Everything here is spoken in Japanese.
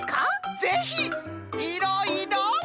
ぜひいろいろ。